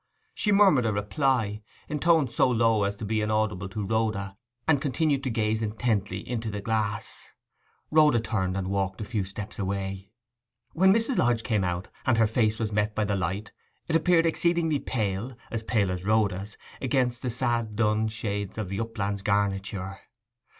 She murmured a reply, in tones so low as to be inaudible to Rhoda, and continued to gaze intently into the glass. Rhoda turned, and walked a few steps away. When Mrs. Lodge came out, and her face was met by the light, it appeared exceedingly pale—as pale as Rhoda's—against the sad dun shades of the upland's garniture.